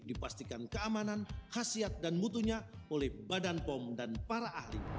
dipastikan keamanan khasiat dan mutunya oleh badan pom dan para ahli